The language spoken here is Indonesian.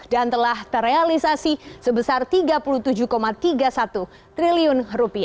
dan telah terrealisasi sebesar rp tiga puluh tujuh tiga puluh satu triliun